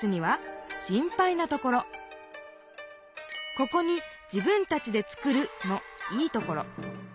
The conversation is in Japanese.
ここに「自分たちで作る」の「いいところ」。